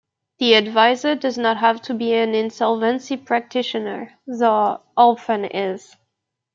The adviser does not have to be an insolvency practitioner, though often is.